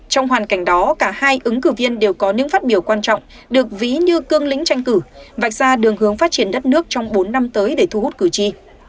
trong hoàn cảnh đó cả hai ứng cử viên đều có những phát biểu quan trọng được ví như cương lĩnh tranh cử vạch ra đường hướng phát triển đất nước trong bốn năm tới để thu hút cử tri